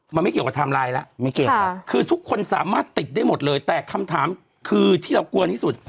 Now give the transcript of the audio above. มันไม่เกี่ยวกับล่ะไม่เกี่ยวกับค่ะคือทุกคนสามารถติดได้หมดเลยแต่คำถามคือที่เรากลัวอันที่สุด